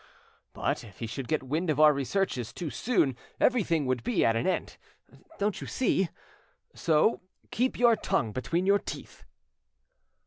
But if he should get wind of our researches too soon everything would be at an end, don't you see? So keep your tongue between your teeth."